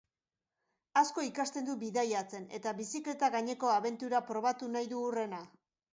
Asko ikasten du bidaiatzen, eta bizikleta gaineko abentura probatu nahi du hurrena.